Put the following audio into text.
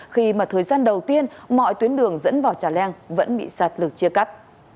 khi mà thời gian đầu tiên mọi tuyến đường dẫn vào trà leang vẫn bị sạt lở chia cắt